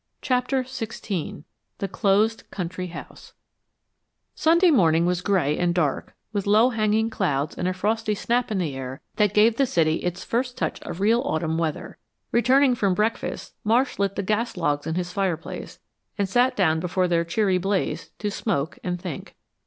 CHAPTER XVI THE CLOSED COUNTRY HOUSE Sunday morning was gray and dark, with low hanging clouds and a frosty snap in the air that gave the city its first touch of real autumn weather. Returning from breakfast, Marsh lit the gas logs in his fireplace and sat down before their cheery blaze to smoke and think.